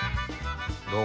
どう？